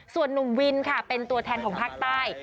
ส่วนนุ่มวินค่ะเป็นตัวแทนของภาคใต้